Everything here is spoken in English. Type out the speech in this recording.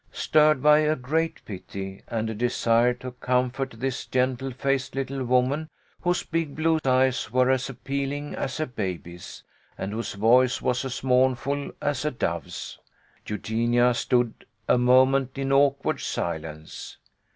Stirred by a great pity and a desire to comfort this gentle faced little woman whose big blue eyes were as appealing as a baby's, and whose voice was as mournful as a dove's, Eugenia stood a moment in awkward silence.